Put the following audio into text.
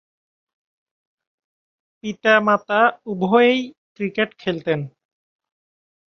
পিতা-মাতা উভয়েই ক্রিকেট খেলতেন।